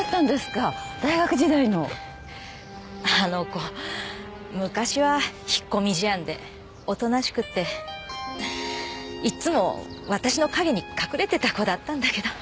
あの子昔は引っ込み思案でおとなしくっていっつもわたしの陰に隠れてた子だったんだけど。